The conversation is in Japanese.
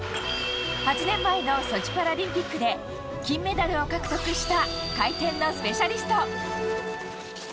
８年前のソチパラリンピックで金メダルを獲得した回転のスペシャリスト。